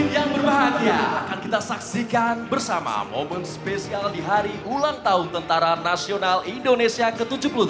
yang berbahagia akan kita saksikan bersama momen spesial di hari ulang tahun tentara nasional indonesia ke tujuh puluh tujuh